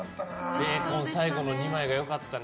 ベーコン最後の２枚良かったね。